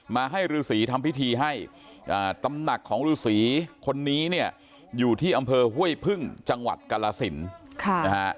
มาให้ฤษีทำพิธีให้ตำหนักของฤษีคนนี้เนี่ยอยู่ที่อำเภอห้วยพึ่งจังหวัดกรสินนะฮะ